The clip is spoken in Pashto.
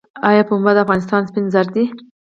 آیا پنبه د افغانستان سپین زر دي؟